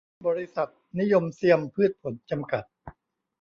บริษัท นิยมเซียมพืชผล จำกัด